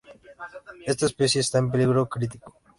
Esta especie está en peligro crítico.